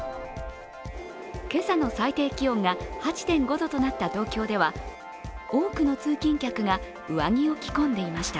今朝の最低気温が８．５度となった東京では、多くの通勤客が上着を着込んでいました。